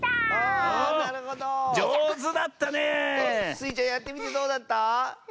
スイちゃんやってみてどうだった？